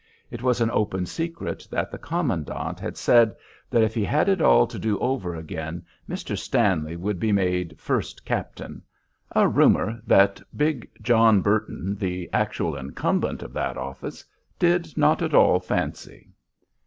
It was an open secret that the commandant had said that if he had it all to do over again, Mr. Stanley would be made "first captain," a rumor that big John Burton, the actual incumbent of that office, did not at all fancy.